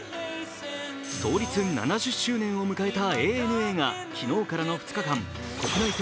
創立７０周年を迎えたＡＮＡが昨日からの２日間国内線